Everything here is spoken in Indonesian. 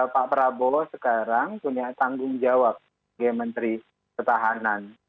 pak prabowo sekarang punya tanggung jawab sebagai menteri pertahanan